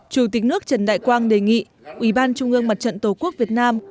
chủ tịch nước trần đại quang đề nghị ủy ban trung ương mặt trận tổ quốc việt nam